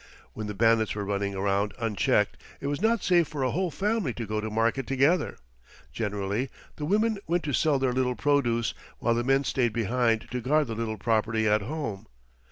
When the bandits were running around unchecked, it was not safe for a whole family to go to market together. Generally the women went to sell their little produce, while the men stayed behind to guard the little property at home.